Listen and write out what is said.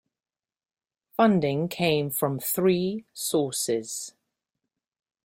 Funding came from three sources.